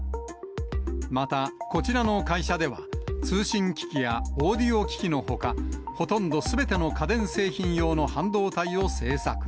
また、こちらの会社では通信機器やオーディオ機器のほか、ほとんどすべての家電製品用の半導体を製作。